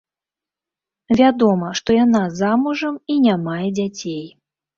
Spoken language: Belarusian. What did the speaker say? Вядома, што яна замужам і не мае дзяцей.